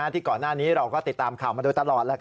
ที่ก่อนหน้านี้เราก็ติดตามข่าวมาโดยตลอด